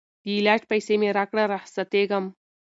د علاج پیسې مي راکړه رخصتېږم